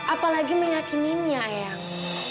apalagi meyakininya eang